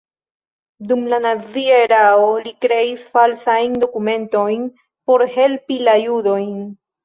Dum la nazia erao li kreis falsajn dokumentojn por helpi la judojn.